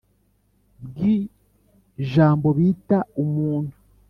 Bwi jambo bita umuntu